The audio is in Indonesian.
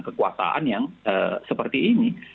kekuasaan yang seperti ini